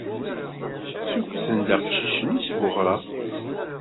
Ssukksent-d aqcic-nni seg uɣraq.